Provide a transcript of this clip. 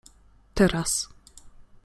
Teraz.